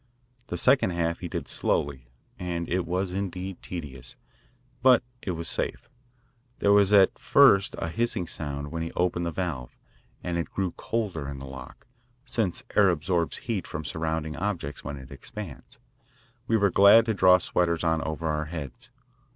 The second half he did slowly, and it was indeed tedious, but it was safe. There was at=20first a hissing sound when he opened the valve, and it grew colder in the lock, since air absorbs heat from surrounding objects when it expands. We were glad to draw sweaters on over our heads.